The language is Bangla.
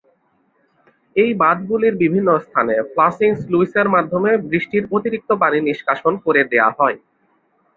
এই বাঁধগুলির বিভিন্ন স্থানে ফ্লাসিং স্লুইসের মাধ্যমে বৃষ্টির অতিরিক্ত পানি নিষ্কাশন করে দেয়া হয়।